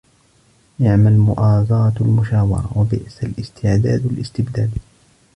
نِعْمَ الْمُؤَازَرَةُ الْمُشَاوَرَةُ وَبِئْسَ الِاسْتِعْدَادُ الِاسْتِبْدَادُ